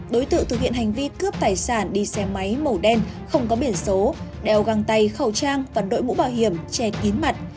đối tượng thực hiện hành vi cướp tài sản đi xe máy màu đen không có biển số đeo găng tay khẩu trang và đội mũ bảo hiểm che kín mặt